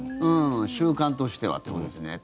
習慣としてはということですね。